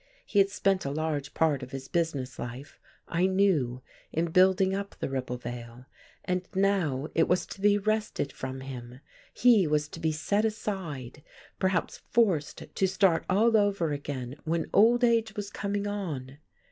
He had spent a large part of his business life, I knew, in building up the Ribblevale, and now it was to be wrested from him; he was to be set aside, perhaps forced to start all over again when old age was coming on!